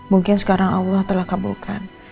mungkin sekarang allah telah kabulkan